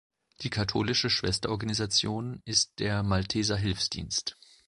Die katholische Schwesterorganisation ist der Malteser Hilfsdienst.